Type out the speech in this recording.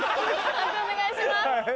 判定お願いします。